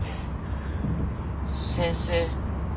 先生。